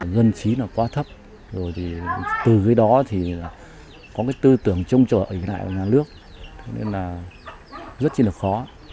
dân trí là quá thấp rồi thì từ cái đó thì có cái tư tưởng trông trợ ủy lại của nhà nước nên là rất là khó